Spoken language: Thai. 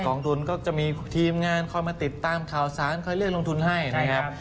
องทุนก็จะมีทีมงานคอยมาติดตามข่าวสารคอยเรียกลงทุนให้นะครับ